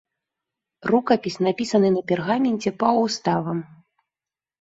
Рукапіс напісаны на пергаменце паўуставам.